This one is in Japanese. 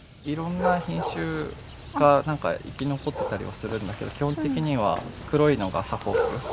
いろんな品種がなんか生き残ってたりはするんだけど基本的には黒いのがサフォーク。